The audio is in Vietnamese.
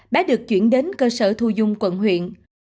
bé được chuyển đến cơ sở thu dung quận huyện